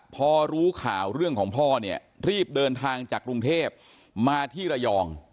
พอรู้ข่าวเรื่องของพ่อเนี่ยรีบเดินทางจากกรุงเทพมาที่ระยอง